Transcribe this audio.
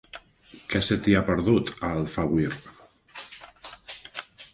Què se t'hi ha perdut, a Alfauir?